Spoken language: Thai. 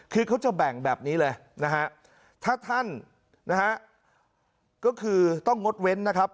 คือเขาจะแบ่งแบบนี้เลยนะฮะถ้าท่านนะฮะก็คือต้องงดเว้นนะครับ